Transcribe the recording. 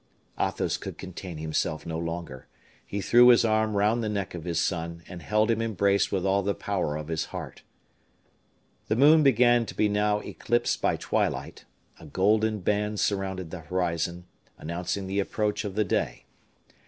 Athos could contain himself no longer; he threw his arm round the neck of his son, and held him embraced with all the power of his heart. The moon began to be now eclipsed by twilight; a golden band surrounded the horizon, announcing the approach of the day.